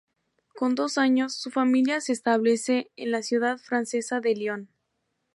Con dos años, su familia se establece en la ciudad francesa de Lyon.